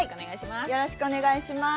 よろしくお願いします。